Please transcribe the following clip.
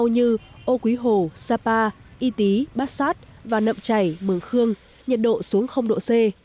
như âu quý hồ sapa y tý passat và nậm chảy mường khương nhiệt độ xuống độ c